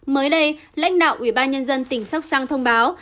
mới đây lãnh đạo ủy ban nhân dân tỉnh sóc trăng thông báo